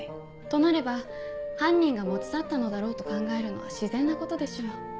となれば犯人が持ち去ったのだろうと考えるのは自然なことでしょう。